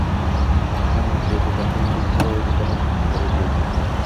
না, যে দোকান থেকে কিনেছিলে ঐ দোকানেই বিক্রি করে দিয়েছি।